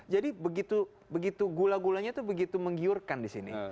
jadi begitu gula gulanya itu begitu menggiurkan di sini